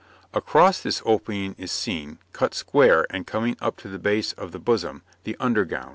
Across this opening is seen, cut square and coming up to the base of the bosom, the under gown.